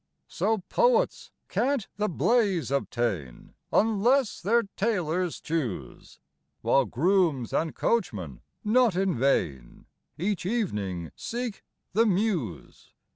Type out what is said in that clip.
So poets can't the baize obtain, unless their tailors choose; While grooms and coachmen not in vain each evening seek the Mews.